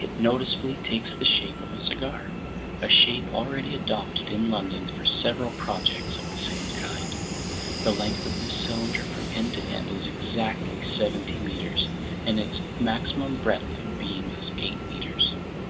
It noticeably takes the shape of a cigar, a shape already adopted in London for several projects of the same kind. The length of this cylinder from end to end is exactly seventy meters, and its maximum breadth of beam is eight meters.